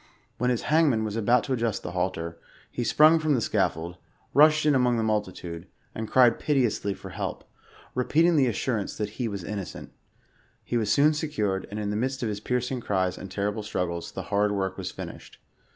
When the hang man was about to adjust the halter, he sprung from the scaffolds rushed in among the multitude, and cried piteously for helpy 10* 114 repeating the assurance that he was innocent. He was soon secured, and in the midst of his piercing cries and terrible struggles, the horrid work was finished.